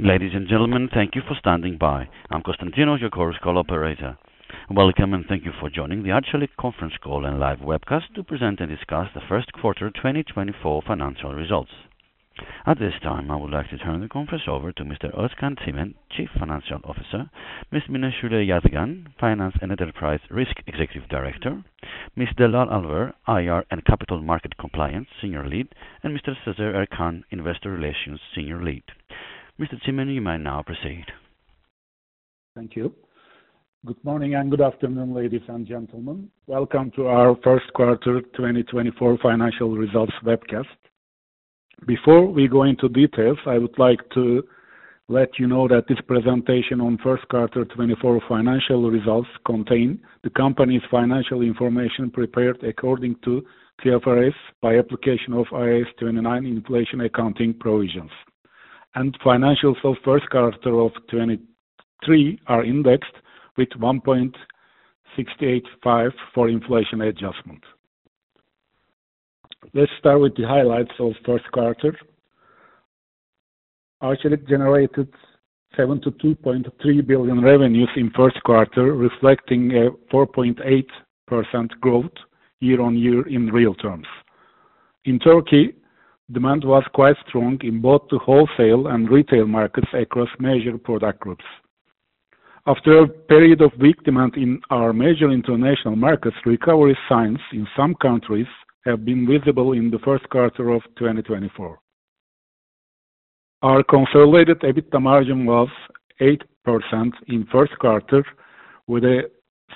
Ladies and gentlemen, thank you for standing by. I'm Costantino, your correspondent operator. Welcome, and thank you for joining the Arçelik Conference Call and live webcast to present and discuss the first quarter 2024 financial results. At this time, I would like to turn the conference over to Mr. Özkan Çimen, Chief Financial Officer, Ms. Mine Şule Yazgan, Finance and Enterprise Risk Executive Director, Ms. Dalal Alver, IR and Capital Market Compliance Senior Lead, and Mr. Sezer Erkan, Investor Relations Senior Lead. Mr. Çimen, you may now proceed. Thank you. Good morning and good afternoon, ladies and gentlemen. Welcome to our first quarter 2024 financial results webcast. Before we go into details, I would like to let you know that this presentation on first quarter 2024 financial results contains the company's financial information prepared according to TFRS by application of IAS 29 inflation accounting provisions. Financials of first quarter of 2023 are indexed with 1.685 for inflation adjustment. Let's start with the highlights of first quarter. Arçelik generated 72.3 billion revenues in first quarter, reflecting a 4.8% growth year-on-year in real terms. In Turkey, demand was quite strong in both the wholesale and retail markets across major product groups. After a period of weak demand in our major international markets, recovery signs in some countries have been visible in the first quarter of 2024. Our consolidated EBITDA margin was 8% in first quarter, with a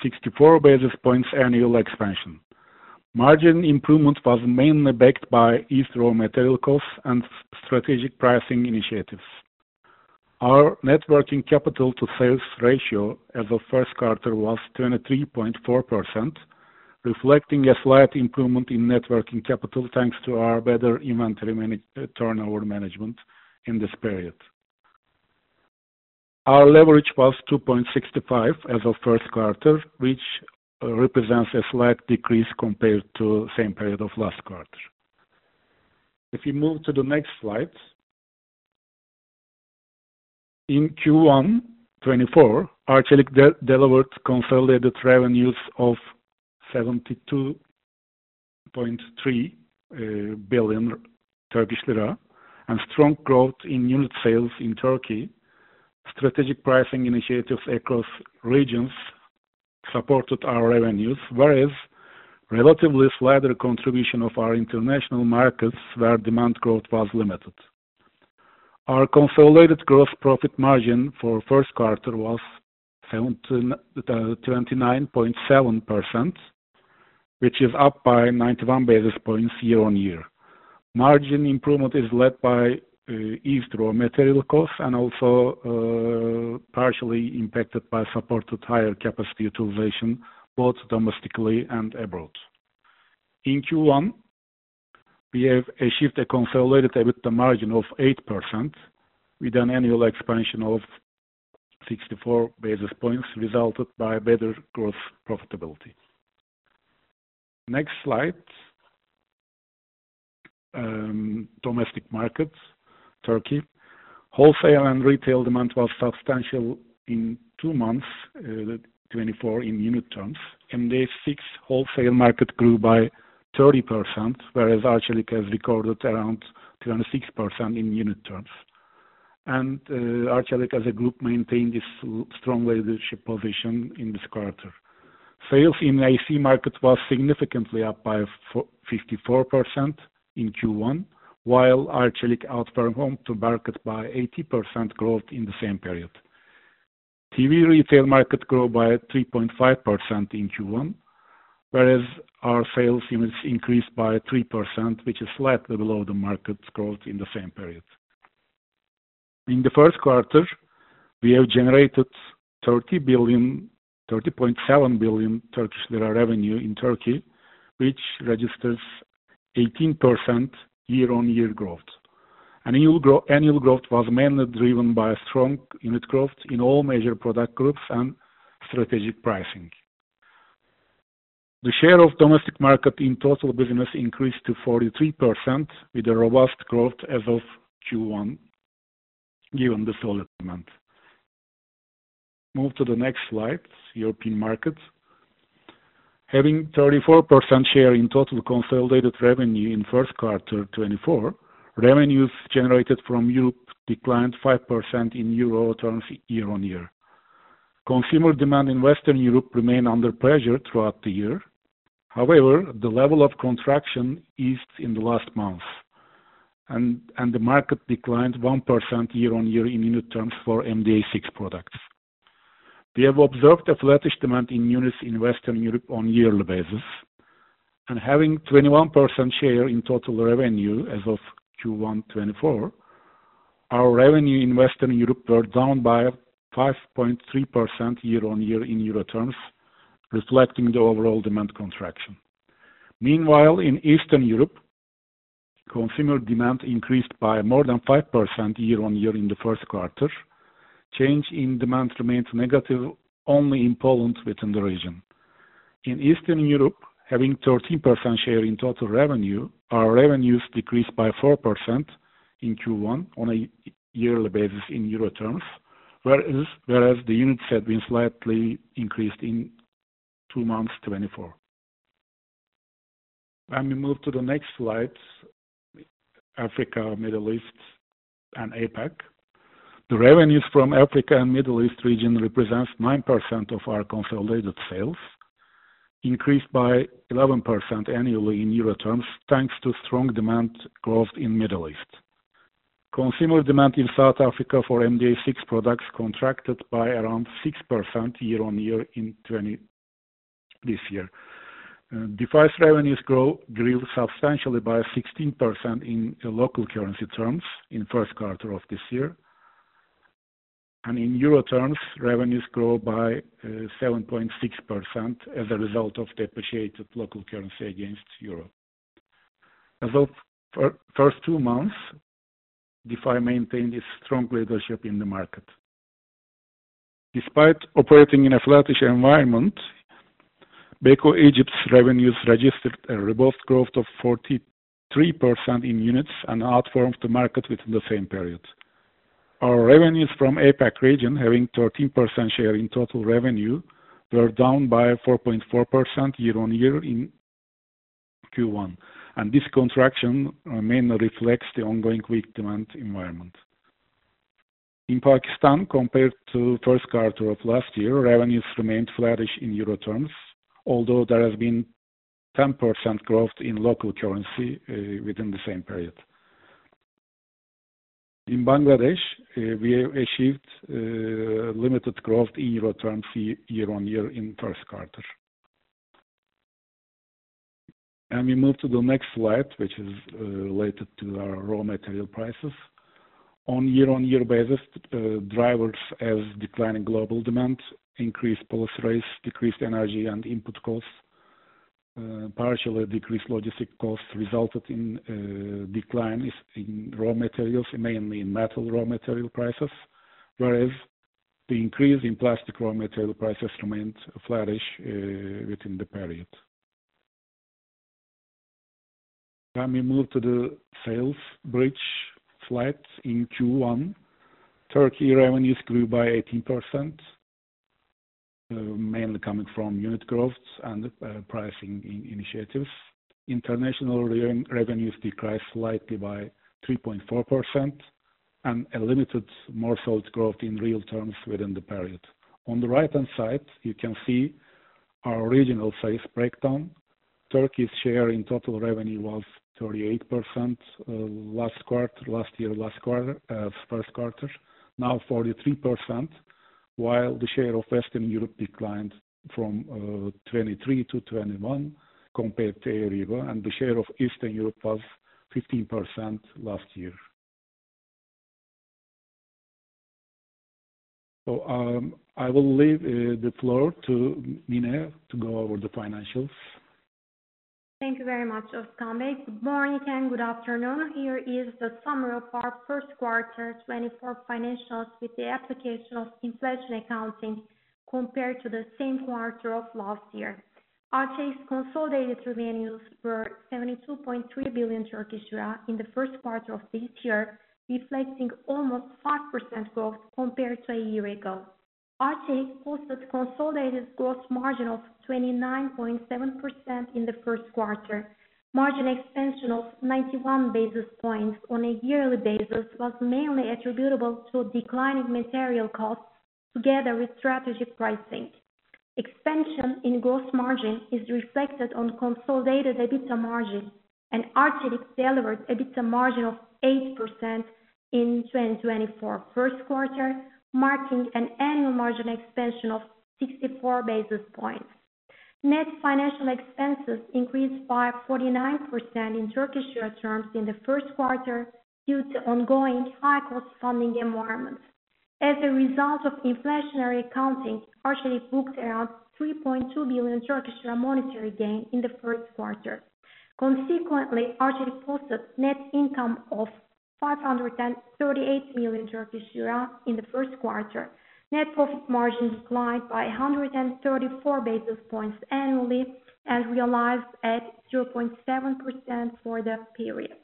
64 basis points annual expansion. Margin improvement was mainly backed by easing raw material costs and strategic pricing initiatives. Our net working capital-to-sales ratio as of first quarter was 23.4%, reflecting a slight improvement in net working capital thanks to our better inventory management turnover management in this period. Our leverage was 2.65 as of first quarter, which represents a slight decrease compared to the same period of last year. If you move to the next slide. In Q1 2024, Arçelik delivered consolidated revenues of 72.3 billion Turkish lira and strong growth in unit sales in Turkey. Strategic pricing initiatives across regions supported our revenues, whereas relatively smaller contribution of our international markets where demand growth was limited. Our consolidated gross profit margin for first quarter was 29.7%, which is up by 91 basis points year-on-year. Margin improvement is led by easing raw material costs and also partially impacted by supported higher capacity utilization both domestically and abroad. In Q1, we have achieved a consolidated EBITDA margin of 8% with an annual expansion of 64 basis points resulted by better gross profitability. Next slide. Domestic market, Turkey. Wholesale and retail demand was substantial in two months 2024 in unit terms. MDA6 wholesale market grew by 30%, whereas Arçelik has recorded around 26% in unit terms. Arçelik as a group maintained this strong leadership position in this quarter. Sales in A/C market was significantly up by 54% in Q1, while Arçelik outperformed TÜRKBESD by 80% growth in the same period. TV retail market grew by 3.5% in Q1, whereas our sales units increased by 3%, which is slightly below the market growth in the same period. In the first quarter, we have generated 30.7 billion Turkish lira revenue in Turkey, which registers 18% year-on-year growth. Annual growth was mainly driven by strong unit growth in all major product groups and strategic pricing. The share of domestic market in total business increased to 43% with a robust growth as of Q1 given the solid demand. Move to the next slide. European market. Having 34% share in total consolidated revenue in first quarter 2024, revenues generated from Europe declined 5% in euro terms year-on-year. Consumer demand in Western Europe remained under pressure throughout the year. However, the level of contraction eased in the last months. The market declined 1% year-on-year in unit terms for MDA6 products. We have observed a flattish demand in units in Western Europe on yearly basis. Having 21% share in total revenue as of Q1 2024, our revenue in Western Europe were down by 5.3% year-on-year in euro terms, reflecting the overall demand contraction. Meanwhile, in Eastern Europe, consumer demand increased by more than 5% year-on-year in the first quarter. Change in demand remained negative only in Poland within the region. In Eastern Europe, having 13% share in total revenue, our revenues decreased by 4% in Q1 on a yearly basis in euro terms, whereas the unit set been slightly increased in two months 2024. When we move to the next slide. Africa, Middle East, and APAC. The revenues from Africa and Middle East region represents 9% of our consolidated sales, increased by 11% annually in euro terms thanks to strong demand growth in Middle East. Consumer demand in South Africa for MDA6 products contracted by around 6% year-on-year in this year. Defy revenues grew substantially by 16% in local currency terms in first quarter of this year. In euro terms, revenues grow by 7.6% as a result of depreciated local currency against euro. As of first two months, Defy maintained its strong leadership in the market. Despite operating in a flattish environment, Beko Egypt's revenues registered a robust growth of 43% in units and outperformed the market within the same period. Our revenues from APEC region, having 13% share in total revenue, were down by 4.4% year-on-year in Q1. This contraction mainly reflects the ongoing weak demand environment. In Pakistan, compared to first quarter of last year, revenues remained flattish in euro terms, although there has been 10% growth in local currency within the same period. In Bangladesh, we have achieved limited growth in euro terms year-on-year in first quarter. We move to the next slide, which is related to our raw material prices. On year-on-year basis, drivers as declining global demand, increased policy rates, decreased energy and input costs, partially decreased logistic costs resulted in decline in raw materials, mainly in metal raw material prices, whereas the increase in plastic raw material prices remained flattish within the period. When we move to the sales bridge slide in Q1, Turkey revenues grew by 18%, mainly coming from unit growth and pricing initiatives. International revenues decreased slightly by 3.4% and a limited more solid growth in real terms within the period. On the right-hand side, you can see our regional sales breakdown. Turkey's share in total revenue was 38% last year last quarter, now 43%, while the share of Western Europe declined from 23 to 21 compared to a year ago, and the share of Eastern Europe was 15% last year. I will leave the floor to Mine to go over the financials. Thank you very much, Özkan Bey. Good morning and good afternoon. Here is the summary of our first quarter 2024 financials with the application of inflation accounting compared to the same quarter of last year. Arçelik's consolidated revenues were 72.3 billion Turkish lira in the first quarter of this year, reflecting almost 5% growth compared to a year ago. Arçelik posted consolidated gross margin of 29.7% in the first quarter. Margin expansion of 91 basis points on a yearly basis was mainly attributable to declining material costs together with strategic pricing. Expansion in gross margin is reflected on consolidated EBITDA margin, and Arçelik delivered EBITDA margin of 8% in 2024 first quarter, marking an annual margin expansion of 64 basis points. Net financial expenses increased by 49% in Turkish lira terms in the first quarter due to ongoing high-cost funding environments. As a result of inflationary accounting, Arçelik booked around 3.2 billion monetary gain in the first quarter. Consequently, Arçelik posted net income of TRY 538 million in the first quarter. Net profit margin declined by 134 basis points annually and realized at 0.7% for the period.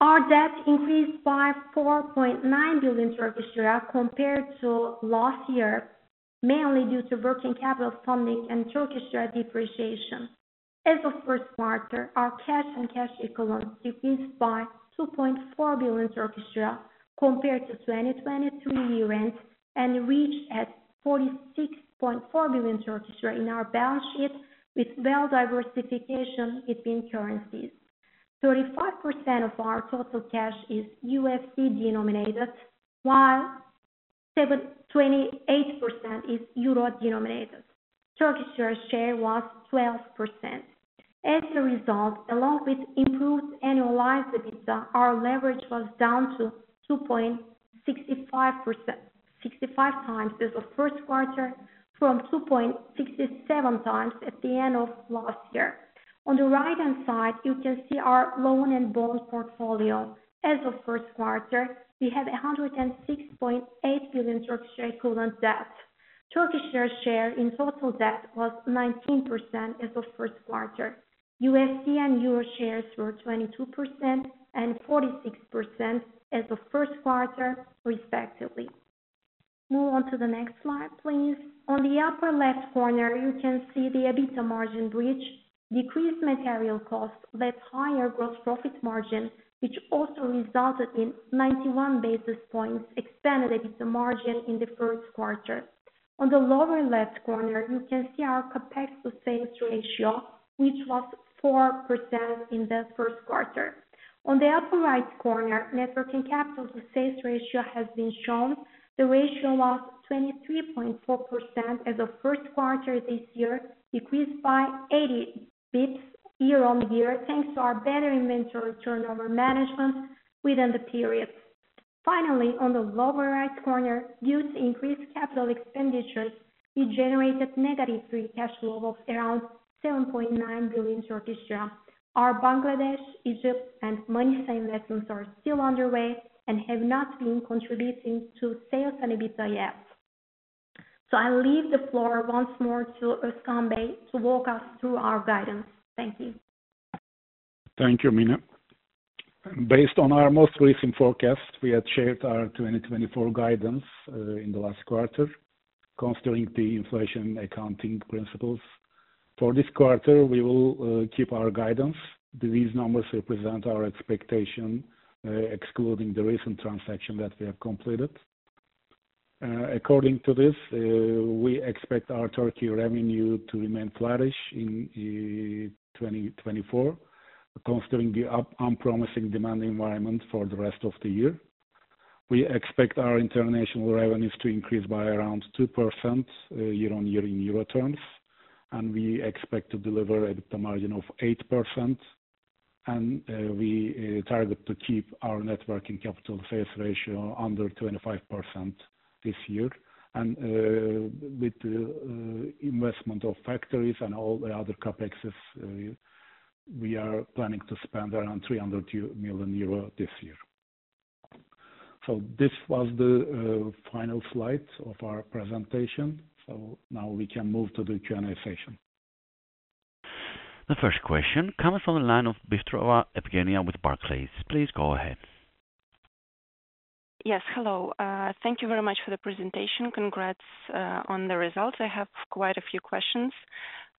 Our debt increased by 4.9 billion Turkish lira compared to last year, mainly due to working capital funding and Turkish lira depreciation. As of first quarter, our cash and cash equivalents decreased by 2.4 billion compared to 2023 year-end and reached at 46.4 billion in our balance sheet with well diversified between currencies. 35% of our total cash is USD denominated, while 28% is euro denominated. Turkish lira share was 12%. As a result, along with improved annualized EBITDA, our leverage was down to 2.65 times as of first quarter from 2.67 times at the end of last year. On the right-hand side, you can see our loan and bond portfolio. As of first quarter, we have 106.8 billion equivalent debt. Turkish lira share in total debt was 19% as of first quarter. USD and euro shares were 22% and 46% as of first quarter, respectively. Move on to the next slide, please. On the upper left corner, you can see the EBITDA margin bridge. Decreased material cost led to higher gross profit margin, which also resulted in 91 basis points expanded EBITDA margin in the first quarter. On the lower left corner, you can see our CAPEX to sales ratio, which was 4% in the first quarter. On the upper right corner, net working capital-to-sales ratio has been shown. The ratio was 23.4% as of first quarter this year, decreased by 80 basis points year-on-year thanks to our better inventory turnover management within the period. Finally, on the lower right corner, due to increased capital expenditures, we generated negative free cash flow of around TRY 7.9 billion. Our Bangladesh, Egypt, and Manisa investments are still underway and have not been contributing to sales and EBITDA yet. So I leave the floor once more to Özkan Bey to walk us through our guidance. Thank you. Thank you, Mine. Based on our most recent forecast, we had shared our 2024 guidance in the last quarter considering the inflation accounting principles. For this quarter, we will keep our guidance. These numbers represent our expectation excluding the recent transaction that we have completed. According to this, we expect our Turkey revenue to remain flattish in 2024 considering the unpromising demand environment for the rest of the year. We expect our international revenues to increase by around 2% year-on-year in euro terms. We expect to deliver EBITDA margin of 8%. We target to keep our net working capital sales ratio under 25% this year. With the investment of factories and all the other CapExes, we are planning to spend around 300 million euro this year. This was the final slide of our presentation. Now we can move to the Q&A session. The first question comes from the line of Evgenia Bystrova with Barclays. Please go ahead. Yes. Hello. Thank you very much for the presentation. Congrats on the results. I have quite a few questions.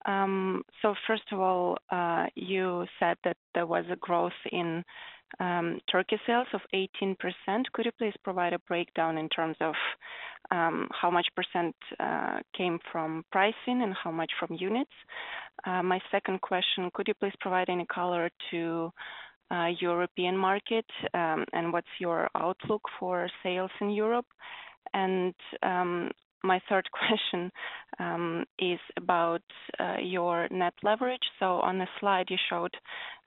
So first of all, you said that there was a growth in Turkey sales of 18%. Could you please provide a breakdown in terms of how much percent came from pricing and how much from units? My second question, could you please provide any color to European market and what's your outlook for sales in Europe? And my third question is about your net leverage. So on the slide, you showed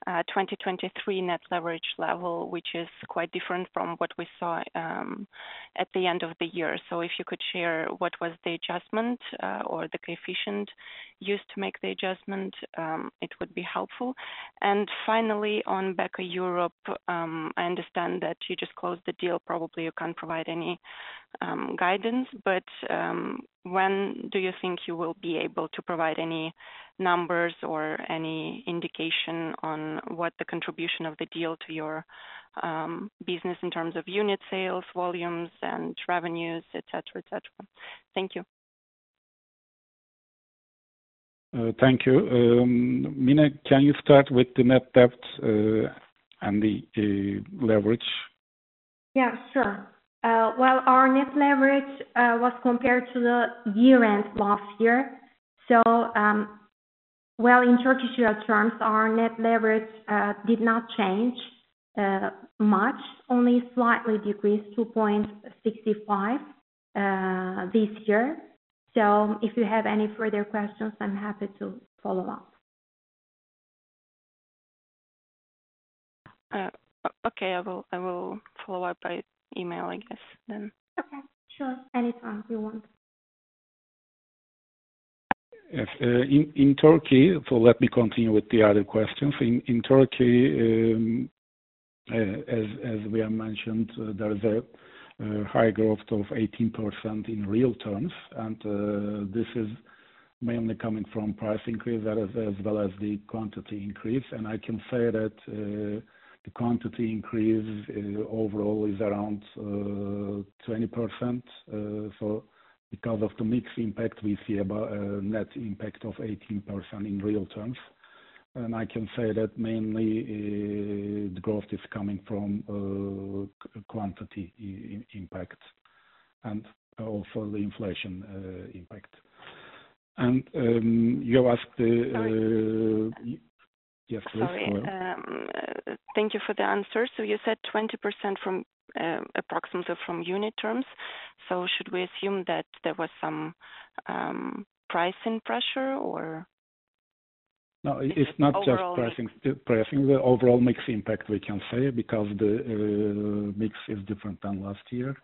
2023 net leverage level, which is quite different from what we saw at the end of the year. So if you could share what was the adjustment or the coefficient used to make the adjustment, it would be helpful. And finally, on Beko Europe, I understand that you just closed the deal. Probably you can't provide any guidance. But when do you think you will be able to provide any numbers or any indication on what the contribution of the deal to your business in terms of unit sales, volumes, and revenues, etc., etc.? Thank you. Thank you. Mine, can you start with the net debt and the leverage? Yeah, sure. Well, our net leverage was compared to the year-end last year. So well, in Turkish lira terms, our net leverage did not change much, only slightly decreased 2.65 this year. So if you have any further questions, I'm happy to follow up. Okay. I will follow up by email, I guess, then. Okay. Sure. Anytime you want. In Turkey, so let me continue with the other questions. In Turkey, as we have mentioned, there is a high growth of 18% in real terms. This is mainly coming from price increase as well as the quantity increase. I can say that the quantity increase overall is around 20%. Because of the mixed impact, we see a net impact of 18% in real terms. I can say that mainly the growth is coming from quantity impact and also the inflation impact. You asked the yes, please. Sorry. Thank you for the answer. So you said 20% approximately from unit terms. So should we assume that there was some pricing pressure, or? No. It's not just pricing. The overall mixed impact, we can say, because the mix is different than last year.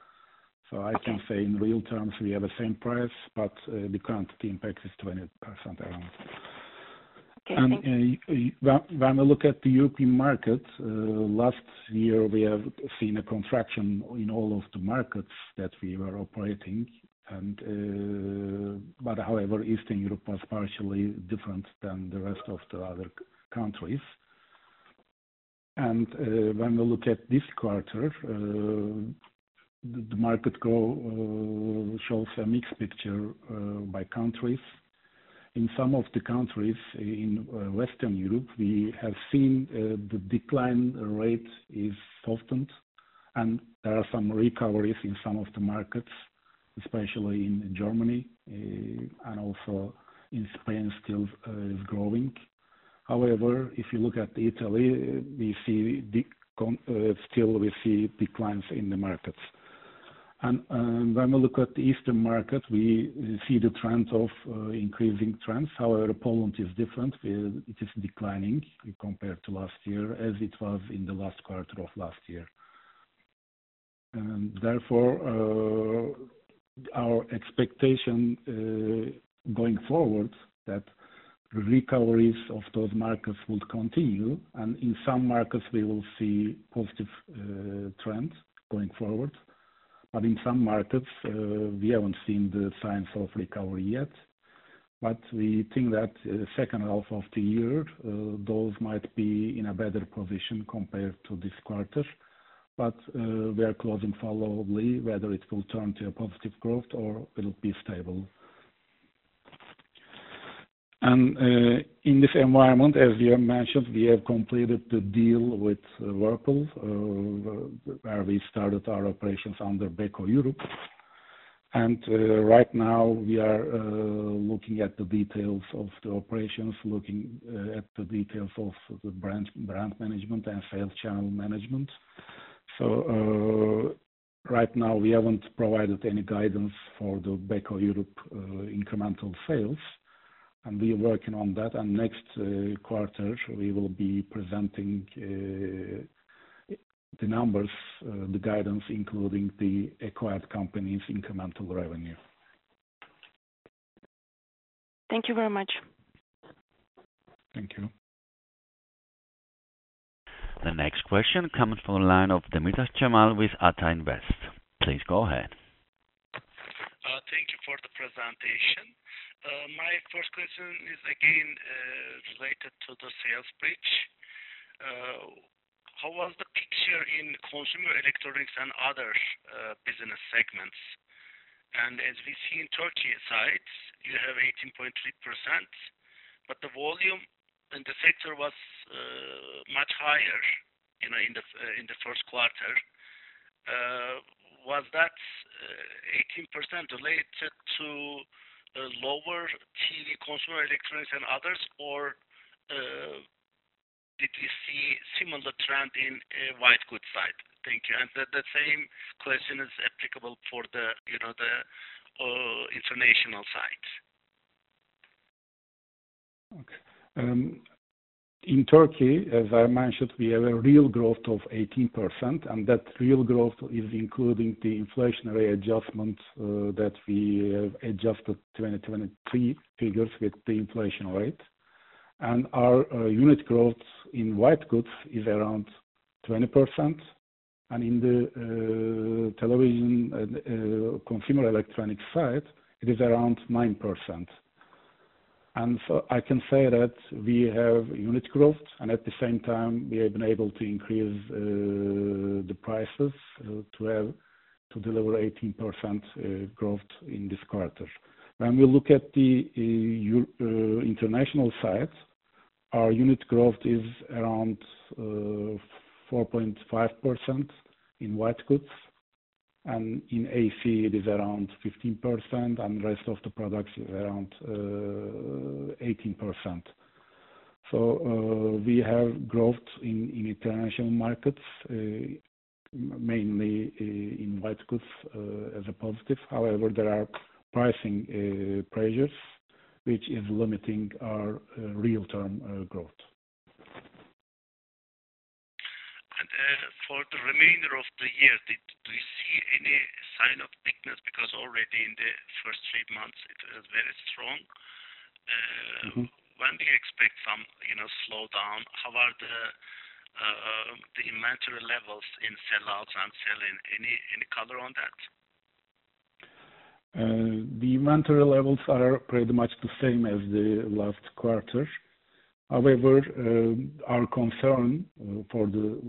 So I can say in real terms, we have the same price, but the quantity impact is 20% around. And when we look at the European market, last year, we have seen a contraction in all of the markets that we were operating. But however, Eastern Europe was partially different than the rest of the other countries. And when we look at this quarter, the market growth shows a mixed picture by countries. In some of the countries in Western Europe, we have seen the decline rate is softened. And there are some recoveries in some of the markets, especially in Germany. And also in Spain, still is growing. However, if you look at Italy, still we see declines in the markets. When we look at the Eastern Europe, we see the trend of increasing trends. However, Poland is different. It is declining compared to last year as it was in the last quarter of last year. Therefore, our expectation going forward that recoveries of those markets would continue. In some markets, we will see positive trends going forward. But in some markets, we haven't seen the signs of recovery yet. But we think that second half of the year, those might be in a better position compared to this quarter. But we are closely following whether it will turn to a positive growth or it will be stable. In this environment, as we have mentioned, we have completed the deal with Whirlpool where we started our operations under Beko Europe. Right now, we are looking at the details of the operations, looking at the details of the brand management and sales channel management. Right now, we haven't provided any guidance for the Beko Europe incremental sales. We are working on that. Next quarter, we will be presenting the numbers, the guidance, including the acquired companies' incremental revenue. Thank you very much. Thank you. The next question comes from the line of Cemal Demirtaş with ATA Invest. Please go ahead. Thank you for the presentation. My first question is, again, related to the sales bridge. How was the picture in consumer electronics and other business segments? And as we see in Turkey sides, you have 18.3%. But the volume in the sector was much higher in the first quarter. Was that 18% related to lower TV consumer electronics and others, or did we see a similar trend in white goods side? Thank you. And the same question is applicable for the international side. Okay. In Turkey, as I mentioned, we have a real growth of 18%. And that real growth is including the inflationary adjustment that we have adjusted 2023 figures with the inflation rate. And our unit growth in white goods is around 20%. And in the television consumer electronics side, it is around 9%. And so I can say that we have unit growth. And at the same time, we have been able to increase the prices to deliver 18% growth in this quarter. When we look at the international side, our unit growth is around 4.5% in white goods. And in AC, it is around 15%. And the rest of the products is around 18%. So we have growth in international markets, mainly in white goods, as a positive. However, there are pricing pressures, which is limiting our real-term growth. For the remainder of the year, do you see any sign of weakness? Because already in the first three months, it was very strong. When do you expect some slowdown? How are the inventory levels in sell-ins and sell-outs? Any color on that? The inventory levels are pretty much the same as the last quarter. However, our concern.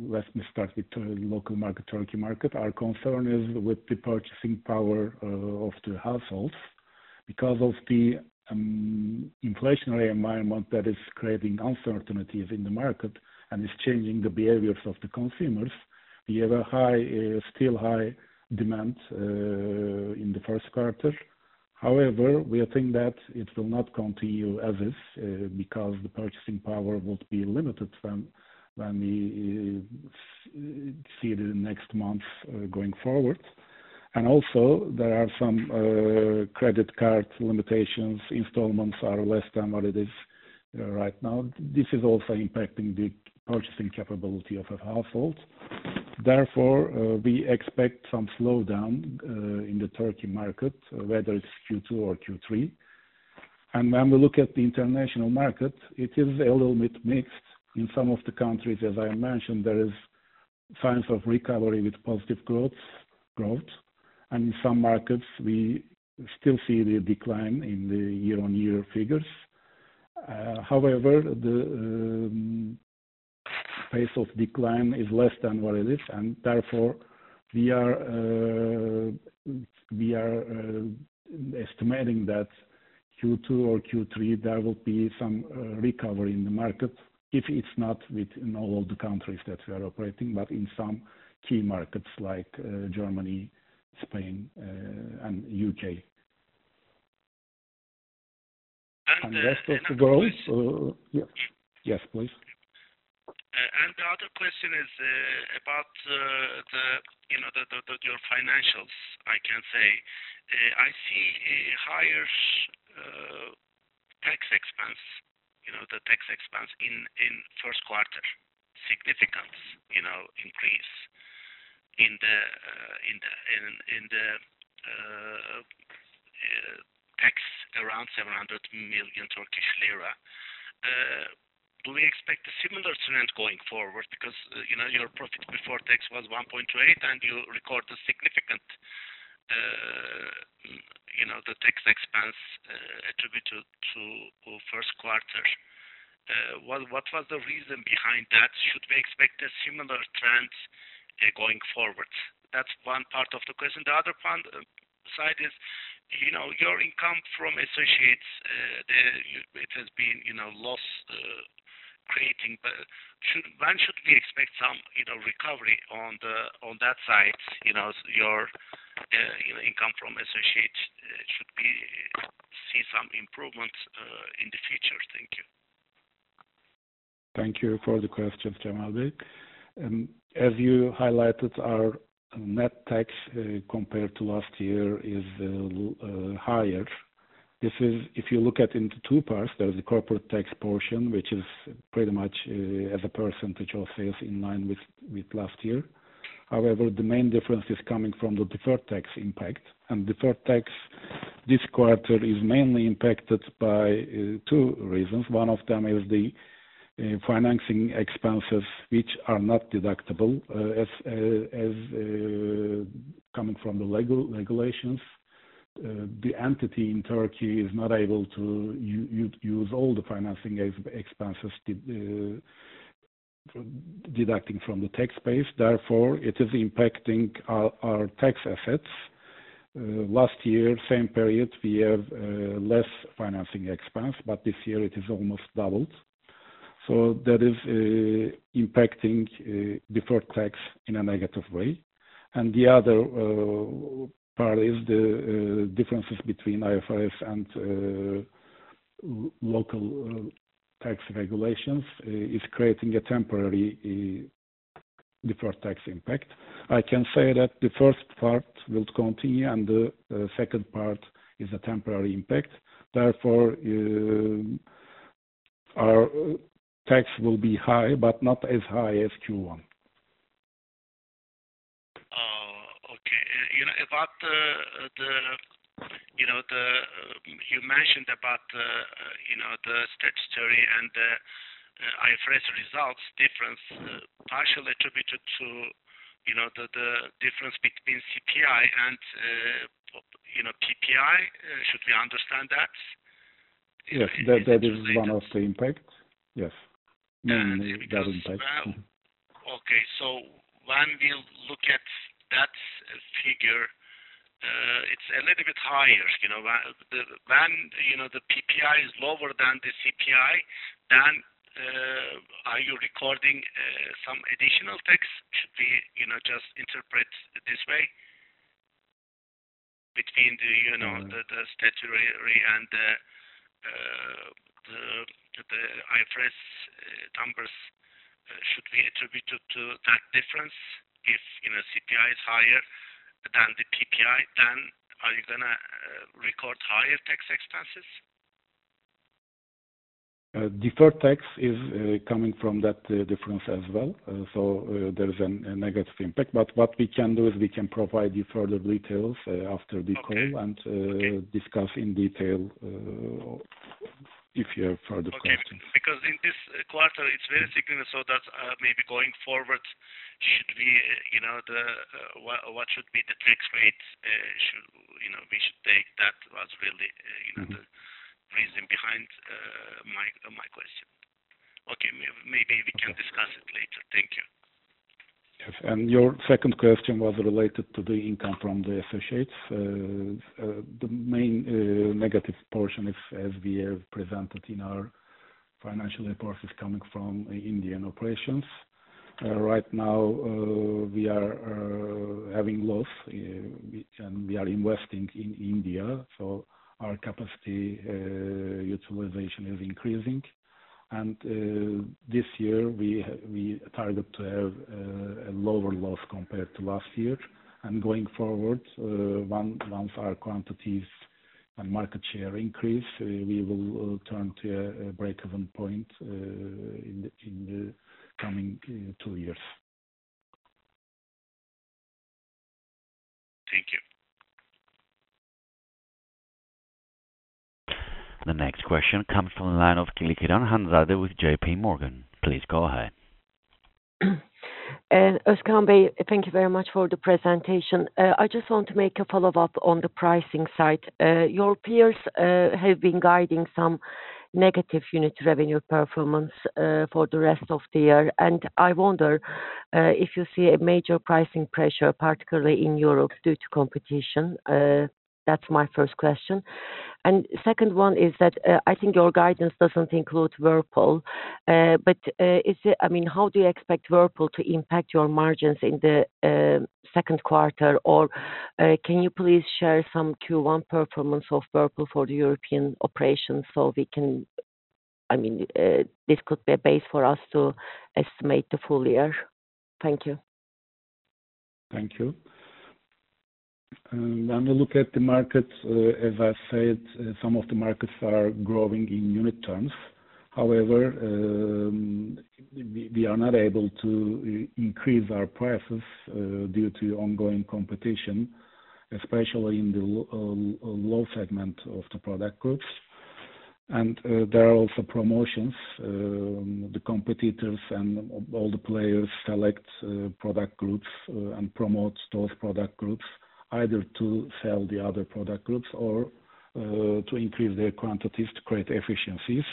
Let me start with the local market, Turkey market. Our concern is with the purchasing power of the households. Because of the inflationary environment that is creating uncertainties in the market and is changing the behaviors of the consumers, we have still high demand in the first quarter. However, we think that it will not continue as is because the purchasing power would be limited when we see the next months going forward. And also, there are some credit card limitations. Installments are less than what it is right now. This is also impacting the purchasing capability of a household. Therefore, we expect some slowdown in the Turkey market, whether it's Q2 or Q3. And when we look at the international market, it is a little bit mixed. In some of the countries, as I mentioned, there are signs of recovery with positive growth. In some markets, we still see the decline in the year-on-year figures. However, the pace of decline is less than what it is. Therefore, we are estimating that Q2 or Q3, there will be some recovery in the market if it's not within all of the countries that we are operating, but in some key markets like Germany, Spain, and U.K. And the rest of the growth yes. Yes, please. The other question is about your financials, I can say. I see higher tax expense, the tax expense in first quarter, significant increase in the tax around TRY 700 million. Do we expect a similar trend going forward? Because your profit before tax was 1.28, and you recorded significant tax expense attributed to first quarter. What was the reason behind that? Should we expect a similar trend going forward? That's one part of the question. The other side is your income from associates, it has been loss-creating. When should we expect some recovery on that side? Your income from associates, should we see some improvement in the future? Thank you. Thank you for the questions, Cemal Bey. As you highlighted, our net tax compared to last year is higher. If you look at it in two parts, there's the corporate tax portion, which is pretty much as a percentage of sales in line with last year. However, the main difference is coming from the deferred tax impact. Deferred tax this quarter is mainly impacted by two reasons. One of them is the financing expenses, which are not deductible coming from the regulations. The entity in Turkey is not able to use all the financing expenses deducting from the tax base. Therefore, it is impacting our tax assets. Last year, same period, we have less financing expense. This year, it is almost doubled. That is impacting deferred tax in a negative way. The other part is the differences between IFRS and local tax regulations is creating a temporary deferred tax impact. I can say that the first part will continue, and the second part is a temporary impact. Therefore, our tax will be high, but not as high as Q1. Okay. About what you mentioned about the statutory and the IFRS results difference partially attributed to the difference between CPI and PPI. Should we understand that? Yes. That is one of the impacts. Yes. Mainly that impact. Okay. So when we look at that figure, it's a little bit higher. When the PPI is lower than the CPI, then are you recording some additional tax? Should we just interpret this way between the statutory and the IFRS numbers? Should we attribute it to that difference if CPI is higher than the PPI? Then are you going to record higher tax expenses? Deferred tax is coming from that difference as well. So there is a negative impact. But what we can do is we can provide you further details after the call and discuss in detail if you have further questions. Okay. Because in this quarter, it's very significant. So that maybe going forward, should we what should be the tax rate? We should take that. That was really the reason behind my question. Okay. Maybe we can discuss it later. Thank you. Yes. Your second question was related to the income from the associates. The main negative portion, as we have presented in our financial reports, is coming from Indian operations. Right now, we are having loss. We are investing in India. Our capacity utilization is increasing. This year, we target to have a lower loss compared to last year. Going forward, once our quantities and market share increase, we will turn to a breakeven point in the coming two years. Thank you. The next question comes from the line of Hanzade Kılıçkıran with JP Morgan. Please go ahead. Özkan Bey, thank you very much for the presentation. I just want to make a follow-up on the pricing side. Your peers have been guiding some negative unit revenue performance for the rest of the year. I wonder if you see a major pricing pressure, particularly in Europe, due to competition. That's my first question. The second one is that I think your guidance doesn't include Whirlpool. But I mean, how do you expect Whirlpool to impact your margins in the second quarter? Or can you please share some Q1 performance of Whirlpool for the European operations? So we can I mean, this could be a base for us to estimate the full year. Thank you. Thank you. When we look at the markets, as I said, some of the markets are growing in unit terms. However, we are not able to increase our prices due to ongoing competition, especially in the low segment of the product groups. There are also promotions. The competitors and all the players select product groups and promote those product groups either to sell the other product groups or to increase their quantities to create efficiencies.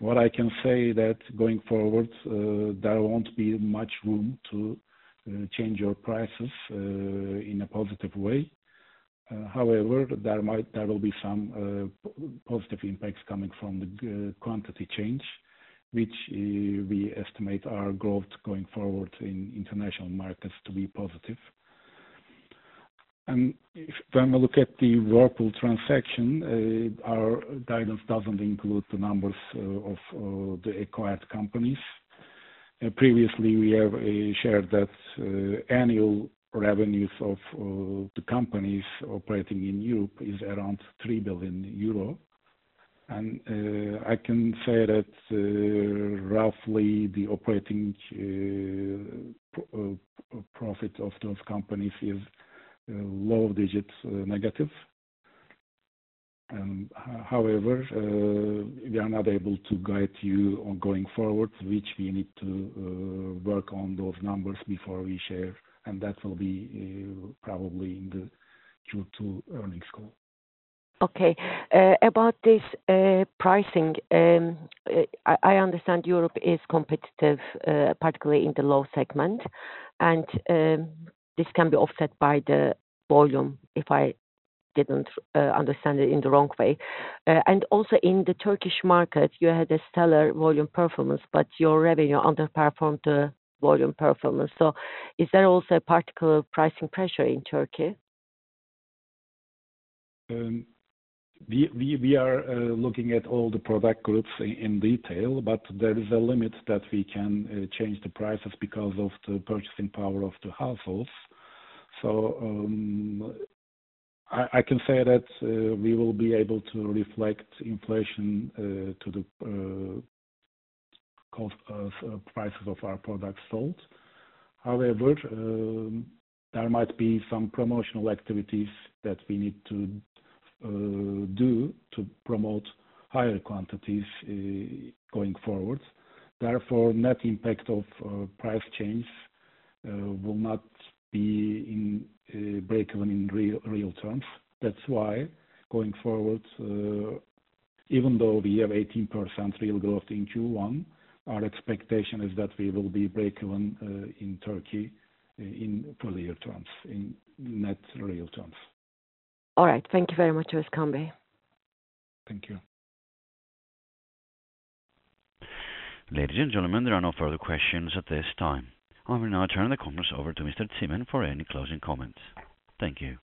What I can say is that going forward, there won't be much room to change your prices in a positive way. However, there will be some positive impacts coming from the quantity change, which we estimate our growth going forward in international markets to be positive. When we look at the Whirlpool transaction, our guidance doesn't include the numbers of the acquired companies. Previously, we have shared that annual revenues of the companies operating in Europe is around 3 billion euro. I can say that roughly, the operating profit of those companies is low-digit negative. However, we are not able to guide you going forward, which we need to work on those numbers before we share. That will be probably in the Q2 earnings call. Okay. About this pricing, I understand Europe is competitive, particularly in the low segment. This can be offset by the volume, if I didn't understand it in the wrong way. Also, in the Turkish market, you had a stellar volume performance, but your revenue underperformed the volume performance. So is there also a particular pricing pressure in Turkey? We are looking at all the product groups in detail. But there is a limit that we can change the prices because of the purchasing power of the households. So I can say that we will be able to reflect inflation to the prices of our products sold. However, there might be some promotional activities that we need to do to promote higher quantities going forward. Therefore, net impact of price change will not be breakeven in real terms. That's why, going forward, even though we have 18% real growth in Q1, our expectation is that we will be breakeven in Turkey in full-year terms, in net real terms. All right. Thank you very much, Özkan Bey. Thank you. Ladies and gentlemen, there are no further questions at this time. I will now turn the conference over to Mr. Özkan Çimen for any closing comments. Thank you.